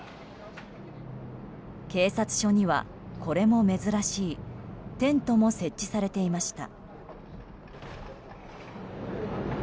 警察署には、これも珍しいテントも設置されていました。